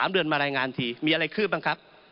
๓เดือนมารายงานทีมีอะไรคืบบ้างครับ